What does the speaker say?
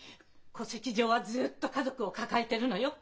戸籍上はずっと家族を抱えてるのよ。